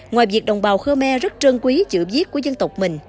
ngoài việc đồng bào khmer rất trân quý chữ viết của dân tộc mình